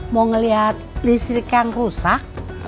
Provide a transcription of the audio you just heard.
mau ngeliat listrik yang rusak